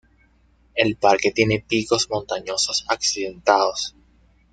El parque tiene picos montañosos accidentados.